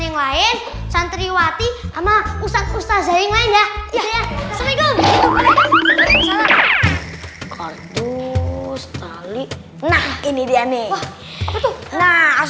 yang lain santriwati sama usat ustazah yang lain ya